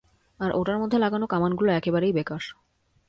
আর ওটার মধ্যে লাগানো কামানগুলো একেবারেই বেকার।